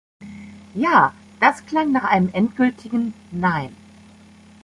Ja, das klang nach einem endgültigen Nein.